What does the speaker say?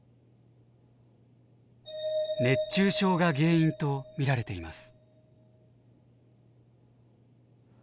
熱中症が原因と見られています。